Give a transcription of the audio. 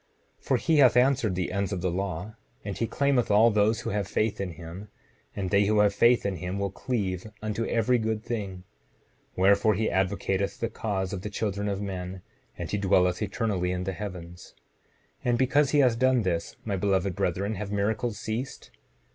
7:28 For he hath answered the ends of the law, and he claimeth all those who have faith in him; and they who have faith in him will cleave unto every good thing; wherefore he advocateth the cause of the children of men; and he dwelleth eternally in the heavens. 7:29 And because he hath done this, my beloved brethren, have miracles ceased?